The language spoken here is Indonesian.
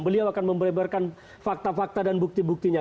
beliau akan membeberkan fakta fakta dan bukti buktinya